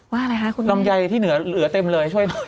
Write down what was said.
อะไรคะคุณลำไยที่เหนือเหลือเต็มเลยช่วยหน่อย